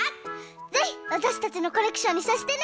ぜひわたしたちのコレクションにさせてね！